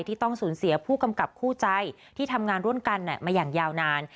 ต้องสูญเสียผู้กำกับคู่ใจที่ทำงานร่วมกันมาอย่างยาวนาน